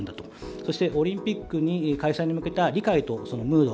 そして、オリンピックの開催に向けた理解とムード